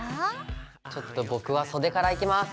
ちょっと僕は袖からいきます！